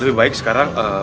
lebih baik sekarang eee